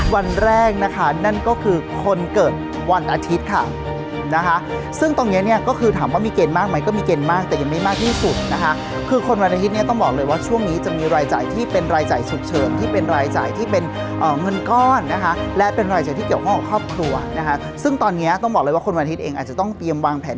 วันแรกนะคะนั่นก็คือคนเกิดวันอาทิตย์ค่ะนะคะซึ่งตรงเนี้ยเนี่ยก็คือถามว่ามีเกณฑ์มากไหมก็มีเกณฑ์มากแต่ยังไม่มากที่สุดนะคะคือคนวันอาทิตย์เนี่ยต้องบอกเลยว่าช่วงนี้จะมีรายจ่ายที่เป็นรายจ่ายฉุกเฉินที่เป็นรายจ่ายที่เป็นเงินก้อนนะคะและเป็นรายจ่ายที่เกี่ยวข้องกับครอบครัวนะคะซึ่งตอนนี้ต้องบอกเลยว่าคนวันอาทิตย์เองอาจจะต้องเตรียมวางแผน